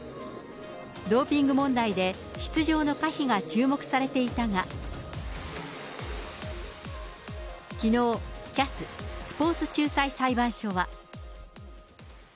ドーピング問題で出場の可否が注目されていたが、きのう、ＣＡＳ・スポーツ仲裁裁判所は。